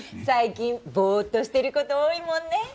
最近ボーッとしてる事多いもんね。